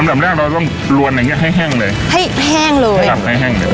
ดับแรกเราต้องลวนอย่างเงี้ให้แห้งเลยให้แห้งเลยให้หลับให้แห้งเลย